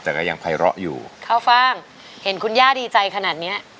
แต่ก็ยังไพร้ออยู่ข้าวฟ่างเห็นคุณย่าดีใจขนาดเนี้ย